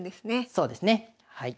そうですねはい。